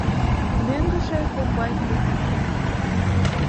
Мӧҥгыжӧ комбайн денак пӧртыльӧ.